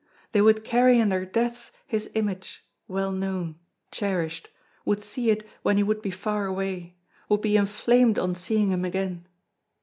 They would carry in their depths his image, well known, cherished, would see it when he would be far away, would be inflamed on seeing him again.